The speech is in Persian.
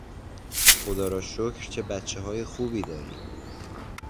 خدا را شکر چه بچههای خوبی داری!